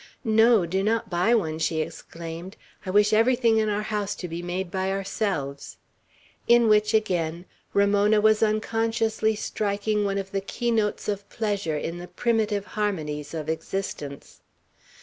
"No. Do not buy one," she exclaimed. "I wish everything in our house to be made by ourselves." In which, again, Ramona was unconsciously striking one of the keynotes of pleasure in the primitive harmonies of existence.